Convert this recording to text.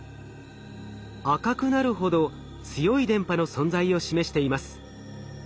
赤くなるほど強い電波の存在を示しています。